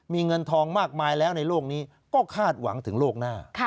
มีเงินทองมากมายแล้วในโลกนี้ก็คาดหวังถึงโลกหน้า